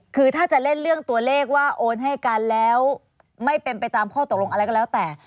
คือถ้าจะเล่นเรื่องตัวเลขว่าโอนให้กันแล้วไม่เป็นไปตามข้อตกลงอะไรก็แล้วแต่